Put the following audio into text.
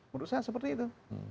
menurut saya seperti itu